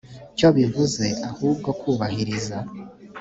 cyo bivuze ahubwo kubahiriza